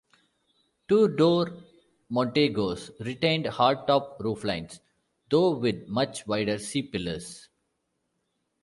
Two-door Montegos retained hardtop rooflines, though with much wider C-pillars.